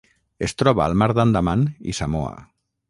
Es troba al Mar d'Andaman i Samoa.